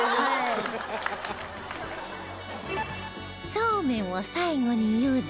そうめんを最後に茹で